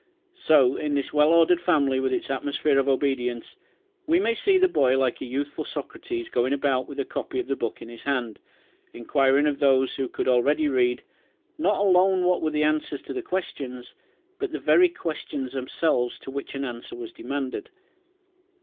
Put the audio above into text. So, in this well ordered family with its atmosphere of obedience, we may see the boy, like a youthful Socrates going about with a copy of the book in his hand, enquiring of those, who could already read, not alone what were the answers to the questions but the very questions themselves to which an answer was demanded.